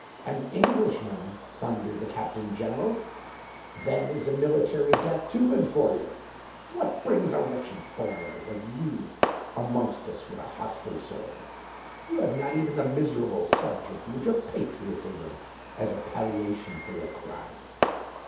"An Englishman!" thundered the Captain General. "Then is a military death too good for you! What brings a wretched foreigner like you amongst us with a hostile sword? You have not even the miserable subterfuge of patriotism as a palliation for your crime.